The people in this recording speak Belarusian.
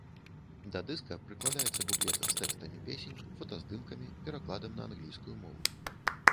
Да дыска прыкладаецца буклет з тэкстамі песень, фотаздымкамі, перакладам на англійскую мову.